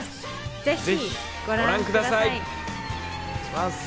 ぜひご覧ください。